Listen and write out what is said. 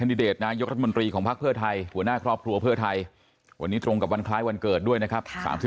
มีความอภัทธ์มีความแรงของพวกนี้